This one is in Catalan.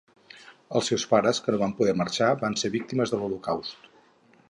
Els seus pares, que no van poder marxar, van ser víctimes de l'Holocaust.